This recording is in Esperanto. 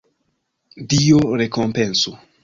Dio rekompencu!